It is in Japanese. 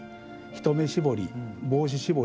一目絞り帽子絞り